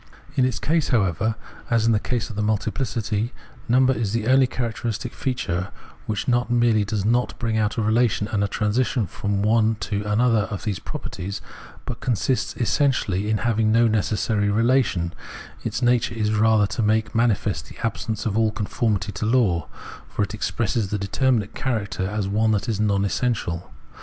In its case, however, as in the case of the multipHcity, number is the only characteristic feature, which not merely does not bring out a relation and a transition from one to another of these properties, but consists essentially in having no necessary relation ; its nature is rather to make manifest the absence of all conformity to law, for it expresses the determinate character as one that is non essential.